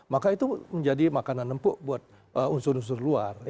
maka itu menjadi makanan empuk buat unsur unsur luar